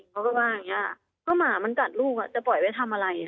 เขาก็ว่าอย่างนี้ถ้าหมามันกัดลูกจะปล่อยไว้ทำอะไร